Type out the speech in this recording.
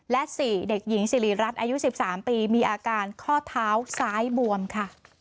และ๔เด็กหญิงสิริรัตน์อายุ๑๓ปีมีอาการข้อเท้าซ้ายบวมค่ะ